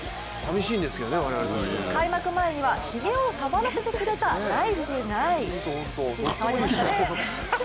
開幕前には、ひげを触らせてくれたナイスガイ。